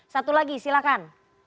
satu lagi silakan